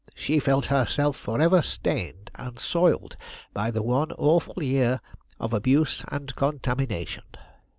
She felt herself forever stained and soiled by the one awful year of abuse and contamination.